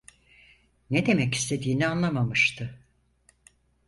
Ne demek istediğini anlamamıştı.